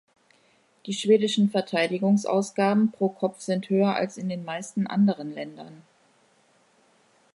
Die schwedischen Verteidigungsausgaben pro Kopf sind höher als in den meisten anderen Ländern.